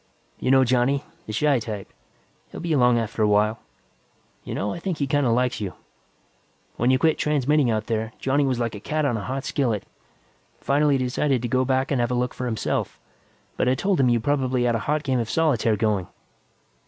"You know Johnny; the shy type. He'll be along after a while. You know, I think he kinda likes you; when you quit transmitting out there, Johnny was like a cat on a hot skillet. Finally decided to go back and have a look for himself, but I told him you probably had a hot game of solitaire going.